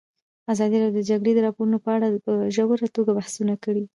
ازادي راډیو د د جګړې راپورونه په اړه په ژوره توګه بحثونه کړي.